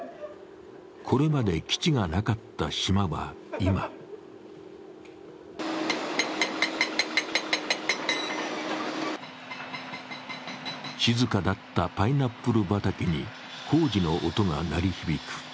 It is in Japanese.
これまで基地がなかった島は今静かだったパイナップル畑に工事の音が鳴り響く。